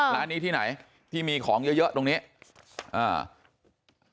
ร้านนี้ที่ไหนที่มีของเยอะเยอะตรงนี้อ่า